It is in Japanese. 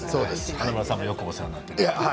華丸さんもよくお世話になっています。